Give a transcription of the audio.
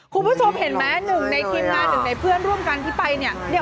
คุณผู้ชมเห็นไหมหนึ่งในทีมงานหนึ่งในเพื่อนร่วมกันที่ไปเนี่ย